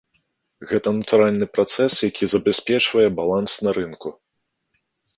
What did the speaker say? Гэта натуральны працэс, які забяспечвае баланс на рынку.